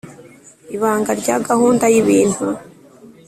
ibanga rya gahunda y ibintu